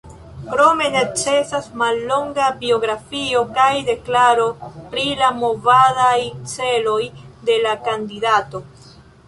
Krome necesas mallonga biografio kaj deklaro pri la movadaj celoj de la kandidato.